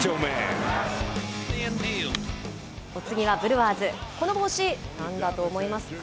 お次はブルワーズ、この帽子、なんだと思いますか。